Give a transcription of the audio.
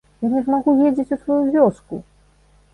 Я не змагу ездзіць у сваю вёску!